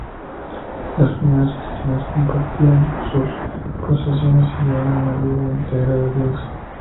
Los primeros cristianos compartían sus posesiones y llevaban una vida de entrega a Dios.